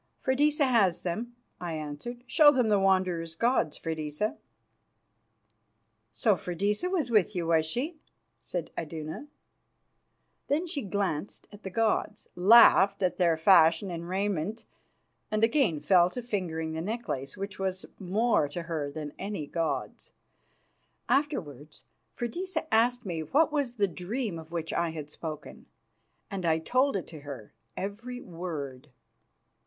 "Freydisa has them," I answered. "Show them the Wanderer's gods, Freydisa." "So Freydisa was with you, was she?" said Iduna. Then she glanced at the gods, laughed a little at their fashion and raiment, and again fell to fingering the necklace, which was more to her than any gods. Afterwards Freydisa asked me what was the dream of which I had spoken, and I told it to her, every word.